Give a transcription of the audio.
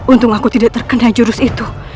untung aku tidak terkena jurus itu